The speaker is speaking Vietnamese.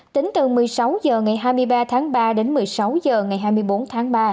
tính từ một mươi sáu h ngày hai mươi ba tháng ba đến một mươi sáu h ngày hai mươi bốn tháng ba